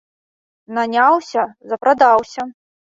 Наняўся ‒ запрадаўся